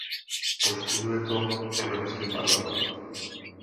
Poškozuje to Evropský parlament.